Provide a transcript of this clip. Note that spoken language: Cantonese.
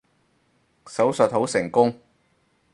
手術好成功